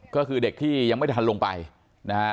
ก็คือเด็กที่ยังไม่ทันลงไปนะฮะ